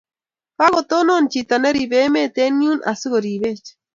Kagotonon chiton neribe emet eng yuun asigoribech